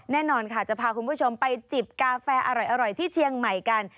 แน่นอนค่ะจะพาคุณผู้ชมไปจิบกาแฟอร่อยที่เชียงใหม่กัน